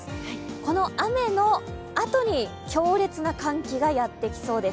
この雨のあとに強烈な寒気がやってきそうです。